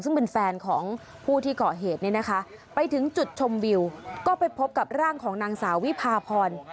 ซึ่งเป็นแฟนของผู้ที่เกาะเหตุเนี่ยนะคะไปถึงจุดชมวิวก็ไปพบกับร่างของนางสาววิพาพร